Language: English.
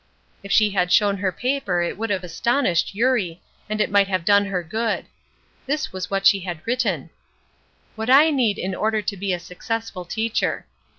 If she had shown her paper it would have astonished Eurie, and it might have done her good. This was what she had written: "What I need in order to be a successful teacher.